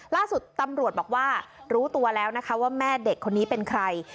ล่าสุดตำรวจบอกว่ารู้ตัวแล้วนะคะว่าแม่เด็กคนนี้เป็นใคร